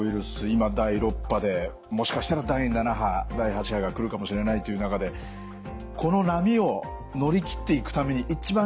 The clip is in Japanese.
今第６波でもしかしたら第７波第８波が来るかもしれないという中でこの波を乗り切っていくために一番